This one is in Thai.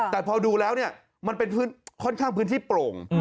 แต่พอดูแล้วเนี่ยมันเป็นค่อนข้างพื้นที่โปร่ง